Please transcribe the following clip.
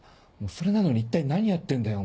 それなのに一体何やってんだよ？